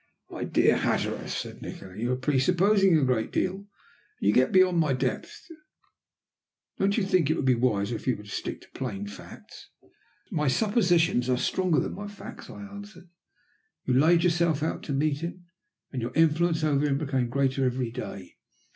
"My dear Hatteras," said Nikola, "you are presupposing a great deal. And you get beyond my depth. Don't you think it would be wiser if you were to stick to plain facts?" "My suppositions are stronger than my facts," I answered. "You laid yourself out to meet him, and your influence over him became greater every day.